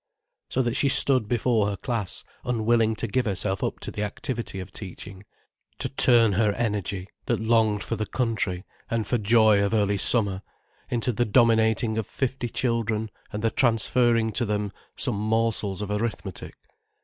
So that she stood before her class unwilling to give herself up to the activity of teaching, to turn her energy, that longed for the country and for joy of early summer, into the dominating of fifty children and the transferring to them some morsels of arithmetic.